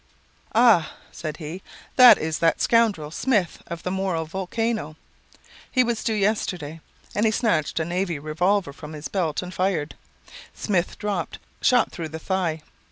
"'Ah,' said he, 'that is that scoundrel Smith of the Moral Volcano; he was due yesterday.' And he snatched a navy revolver from his belt and fired. Smith dropped, shot through the thigh.